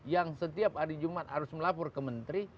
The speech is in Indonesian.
yang setiap hari jumat harus melapor ke menteri